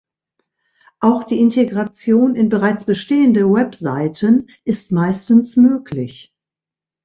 Auch die Integration in bereits bestehende Webseiten ist meistens möglich.